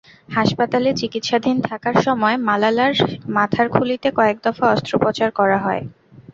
হাসপাতালে চিকিৎসাধীন থাকার সময় মালালার মাথার খুলিতে কয়েক দফা অস্ত্রোপচার করা হয়।